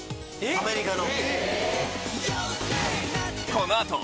アメリカの。